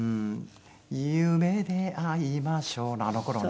「夢であいましょう」のあの頃ね。